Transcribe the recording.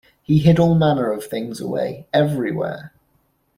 He hid all manner of things away, everywhere.